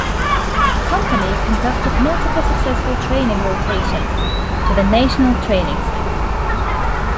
A Company conducted multiple successful training rotations to the National Training Center.